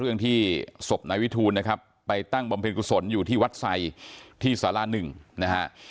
เรื่องที่ศพนายวิทูลนะครับไปตั้งบำเพ็ญกุศลอยู่ที่วัดไสที่สารหนึ่งนะฮะ